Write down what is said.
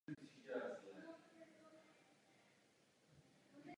Jeho manželka zde pak působila i po jeho smrti jako učitelka hudby.